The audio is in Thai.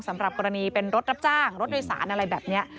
สำหรับกรณีเป็นรถรับจ้างรถโดยสารอะไรแบบนี้